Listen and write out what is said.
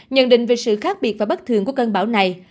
nhận định về sự khác biệt và bất thường của cơn bão này